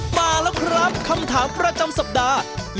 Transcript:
มาแล้วครับคำถามประจำสัปดาห์